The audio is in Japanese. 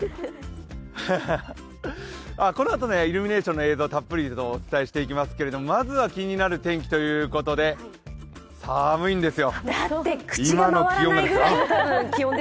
このあとイルミネーションの映像たっぷりとお伝えしていきますけれどもまずは気になる天気ということで、寒いんですよ。